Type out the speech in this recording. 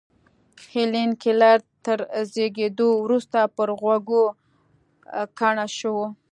هېلېن کېلر تر زېږېدو وروسته پر غوږو کڼه شوه.